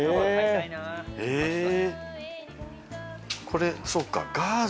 これそうか。